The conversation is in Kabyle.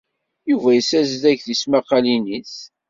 Yuba yessazdeg tismaqqalin-nnes.